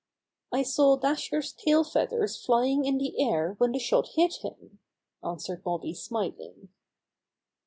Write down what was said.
"I saw Dasher's tail feathers flying in the air when the shot hit him," answered Bobby smiling.